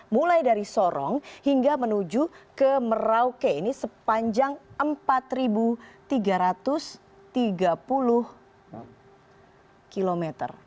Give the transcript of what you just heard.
mulai dari sorong hingga menuju ke merauke ini sepanjang empat tiga ratus tiga puluh km